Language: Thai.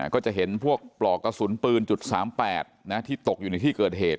ก็จะเห็นพวกปลอกกระสุนปืน๓๘ที่ตกอยู่ในที่เกิดเหตุ